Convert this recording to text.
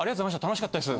楽しかったです」